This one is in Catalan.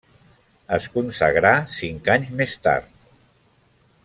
Es consagrà cinc anys més tard.